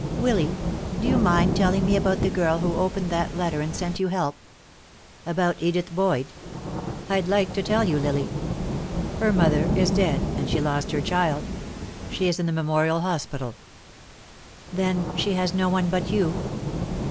Willy, do you mind telling me about the girl who opened that letter and sent you help?" "About Edith Boyd? I'd like to tell you, Lily. Her mother is dead, and she lost her child. She is in the Memorial Hospital." "Then she has no one but you?"